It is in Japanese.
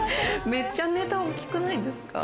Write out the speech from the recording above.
めっちゃネタ大きくないです